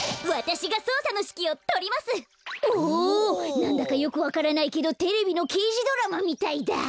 なんだかよくわからないけどテレビのけいじドラマみたいだ。